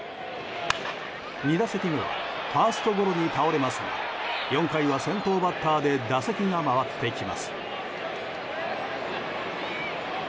２打席目はファーストゴロに倒れますが４回は先頭バッターで打席が回ってきます。